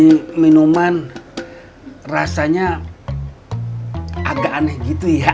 ini minuman rasanya agak aneh gitu ya